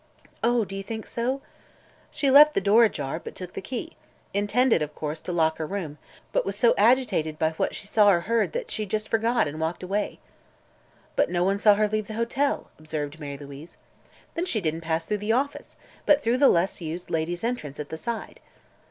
"Oh, do you think so?" "She left the door ajar, but took the key. Intended, of course, to lock her room, but was so agitated by what she saw or heard that she forgot and just walked away." "But no one saw her leave the hotel," observed Mary Louise. "Then she didn't pass through the office, but through the less used Ladies' Entrance at the side."